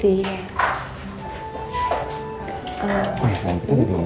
woy nanti udah jadi dong